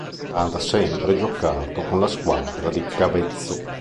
Ha da sempre giocato con la squadra di Cavezzo.